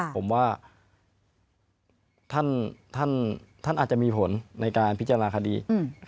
ผมว่าท่านอาจจะมีผลในการพิจารณาคดี